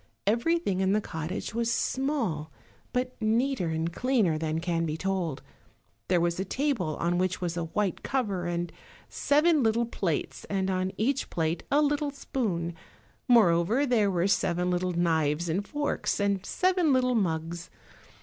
Everything in the cottage was small, but neater and cleaner than can be told. There was a table on which was a white cover, and seven little plates, and on each plate a little spoon; moreover, there were seven little knives and forks, and seven little mugs.